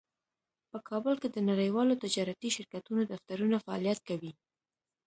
په کابل کې د نړیوالو تجارتي شرکتونو دفترونه فعالیت کوي